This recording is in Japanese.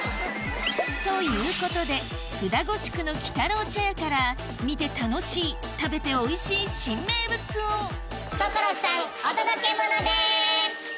ということで布田五宿の鬼太郎茶屋から見て楽しい食べておいしい新名物を所さんお届けモノです